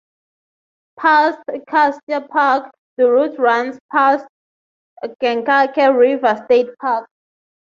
Past Custer Park, the route runs past Kankakee River State Park.